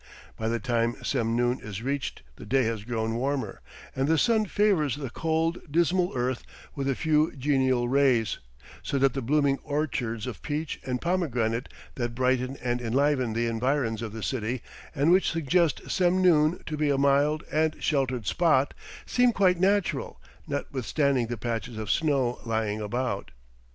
By the time Semnoon is reached the day has grown warmer, and the sun favors the cold, dismal earth with a few genial rays, so that the blooming orchards of peach and pomegranate that brighten and enliven the environs of the city, and which suggest Semnoon to be a mild and sheltered spot, seem quite natural, notwithstanding the patches of snow lying about.